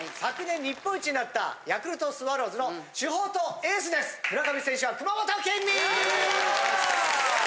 昨年日本一になったヤクルトスワローズの主砲とエースです。